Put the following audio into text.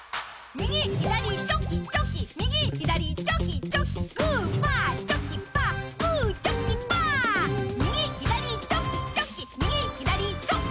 右左チョキチョキ右左チョキチョキ。